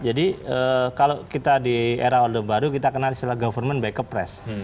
jadi kalau kita di era orde baru kita kenal istilah government by kepres